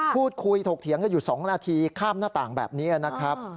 พูดคุยถกเถียงกันอยู่๒นาทีข้ามหน้าต่างแบบนี้นะครับ